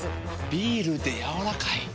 ビールでやわらかい。